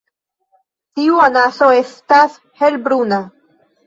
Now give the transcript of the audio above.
Tiu anaso estas helbruna.